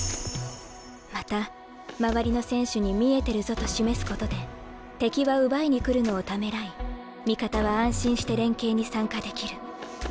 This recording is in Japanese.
また周りの選手に「見えてるぞ」と示すことで敵は奪いに来るのをためらい味方は安心して連係に参加できる。